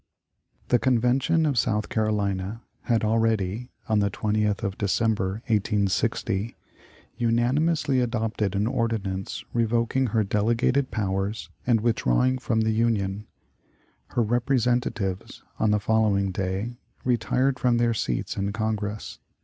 The Convention of South Carolina had already (on the 20th of December, 1860) unanimously adopted an ordinance revoking her delegated powers and withdrawing from the Union. Her representatives, on the following day, retired from their seats in Congress.